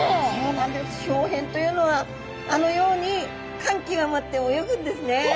ひょう変というのはあのように感極まって泳ぐんですね。